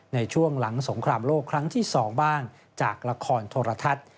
ในช่วงหลังสงครามโลกครั้งที่๒บ้างจากละครโทรทัศน์